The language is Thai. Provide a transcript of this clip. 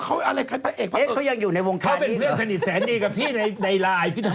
ขอบคุณอุ๊บวิริยะคุณช่วยวิเคราะห์หน่อย